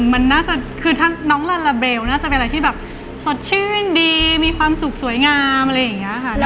มันน่าจะคือถ้าน้องลาลาเบลน่าจะเป็นอะไรที่แบบสดชื่นดีมีความสุขสวยงามอะไรอย่างนี้ค่ะ